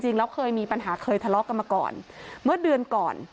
จริงแล้วเคยมีปัญหาเคยทะเลาะกันมาก่อนเมื่อเดือนก่อน